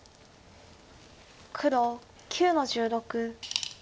黒９の十六。